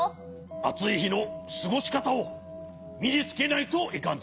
あついひのすごしかたをみにつけないといかんぞ！